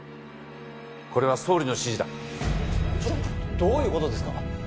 これは総理の指示だどういうことですか？